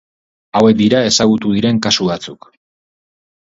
Hauek dira ezagutu diren kasu batzuk.